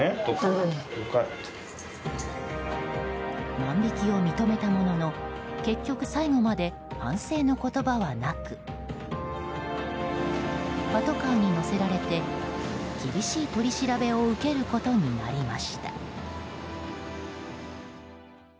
万引きを認めたものの結局、最後まで反省の言葉はなくパトカーに乗せられて厳しい取り調べを受けることになりました。